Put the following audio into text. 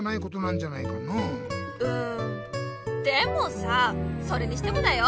うんでもさそれにしてもだよ